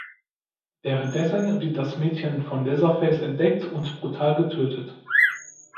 Währenddessen wird das Mädchen von Leatherface entdeckt und brutal getötet.